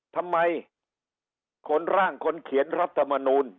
ทำไมคนร่างคนเขียนรัฐมนูล